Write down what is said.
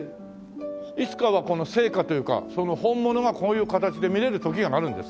いつかはこの生花というか本物がこういう形で見れる時があるんですか？